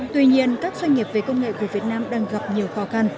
tuy nhiên các doanh nghiệp về công nghệ của việt nam đang gặp nhiều khó khăn